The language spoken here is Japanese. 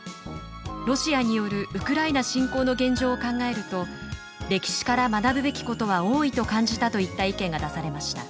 ロシアによるウクライナ侵攻の現状を考えると歴史から学ぶべきことは多いと感じた」といった意見が出されました。